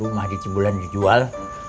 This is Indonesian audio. rumah di cibulan dijual